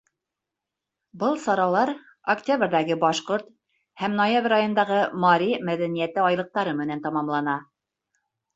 Был саралар октябрҙәге башҡорт һәм ноябрь айындағы мари мәҙәниәте айлыҡтары менән тамамлана.